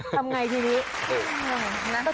คุณทำอะไรทีนี้